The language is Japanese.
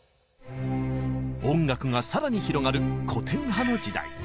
音楽がさらに広がる古典派の時代。